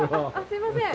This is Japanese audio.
すみません。